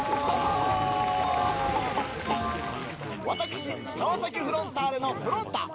私川崎フロンターレのふろん太。